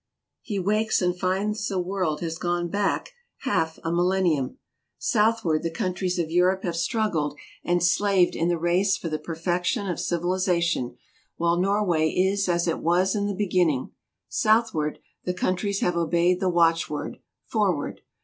He wakes and finds the world has gone back half a mil 221 222 TRAVELERS AND EXPLORERS lennium ! Southward the countries of Europe have struggled and slaved in the race for the perfection of civilization, while Norway is as it was in the beginning. Southward, the countries have obeyed the watchword, " Forward